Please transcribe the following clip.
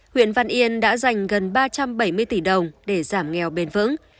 huyện văn yên đã dành gần ba trăm bảy mươi tỷ đồng để giảm nghèo bền vững